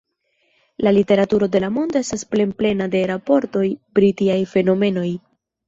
La literaturo de la mondo estas plenplena de raportoj pri tiaj fenomenoj.